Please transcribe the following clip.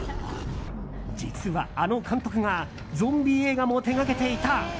実は、あの監督がゾンビ映画も手掛けていた。